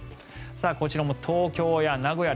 こちらも東京や名古屋